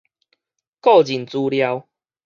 個人資料